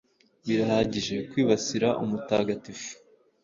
Birahagije kwibasira umutagatifu